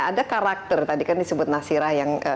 ada karakter tadi kan disebut nasirah yang